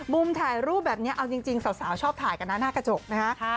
ถ่ายรูปแบบนี้เอาจริงสาวชอบถ่ายกันนะหน้ากระจกนะฮะ